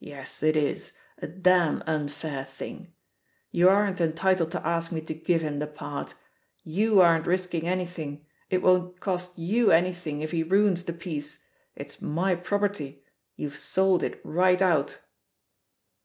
Yes, it is, a damned unfair thing! — you aren't entitled to ask me to give him the part. Tou aren't risking anything; it won't cost you any THE POSITION OF PEGGY HARPER 140 thing if he ruins the piece — ^it^s my property, youVe sold it right out."